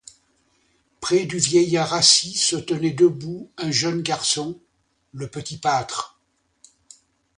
Près du vieillard assis se tenait debout un jeune garçon, le petit pâtre.